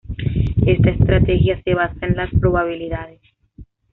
Esta estrategia se basa en las probabilidades.